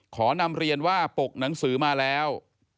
ขอนำเรียนว่าปกหนังสือมาแล้ว